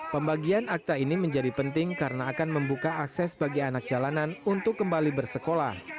pembagian akta ini menjadi penting karena akan membuka akses bagi anak jalanan untuk kembali bersekolah